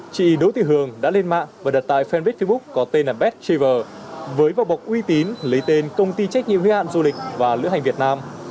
chị đỗ thị hường đã lên mạng và đặt tài fanpage facebook có tên là best traver với vào bọc uy tín lấy tên công ty trách nhiệm huy hạn du lịch và lữ hành việt nam